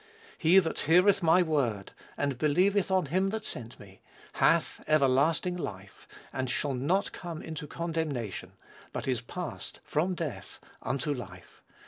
"He that heareth my word, and believeth on him that sent me, hath everlasting life, and shall not come into condemnation; but is passed from death unto life."